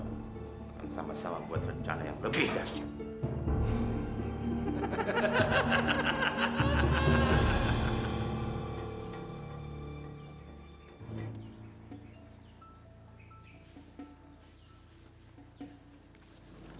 bukan sama sama buat rencana yang lebih gajah